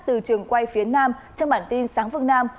từ trường quay phía nam trong bản tin sáng vương nam